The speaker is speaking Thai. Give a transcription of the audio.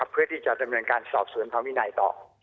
เพื่อที่จะทำผลการสอบศูนย์พาวินัยต่อ